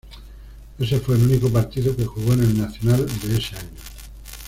Ese fue el único partido que jugó en el Nacional de ese año.